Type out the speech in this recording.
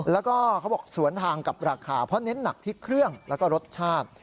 แล้วก็เขาบอกสวนทางกับราคาเพราะเน้นหนักที่เครื่องแล้วก็รสชาติ